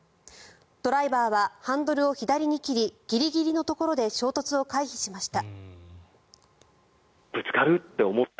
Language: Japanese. ドライバーはハンドルを左に切りギリギリのところで衝突を回避しました。